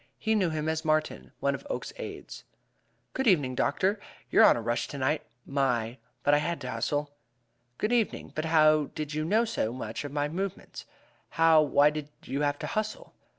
He knew him as Martin, one of Oakes's aides. "Good evening, Doctor! You're on the rush tonight. My! but I had to hustle." "Good evening! But how did you know so much of my movements how, why, did you have to hustle?"